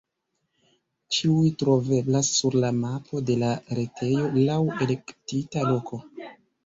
Ĉiuj troveblas sur la mapo de la retejo laŭ elektita loko.